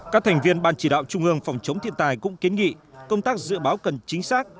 các thành viên ban chỉ đạo trung ương phòng chống thiên tai cũng kiến nghị công tác dự báo cần chính xác